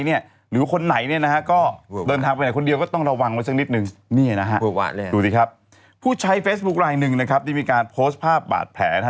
นี่นะฮะดูสิครับผู้ใช้เฟซบุ๊คลายหนึ่งนะครับที่มีการโพสต์ภาพบาดแผลนะฮะ